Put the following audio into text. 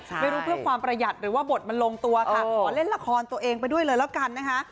ไม่รู้เพื่อความประหยัดหรือว่าบทมันลงตัวค่ะขอเล่นละครตัวเองไปด้วยเลยแล้วกันนะคะ